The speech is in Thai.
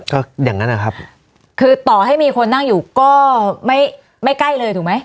ก็อย่างนั้นนะครับคือต่อให้มีคนนั่งอยู่ก็ไม่ไม่ใกล้เลยถูกไหม